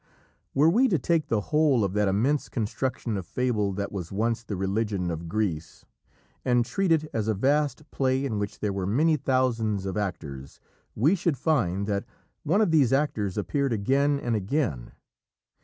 Were we to take the whole of that immense construction of fable that was once the religion of Greece, and treat it as a vast play in which there were many thousands of actors, we should find that one of these actors appeared again and again.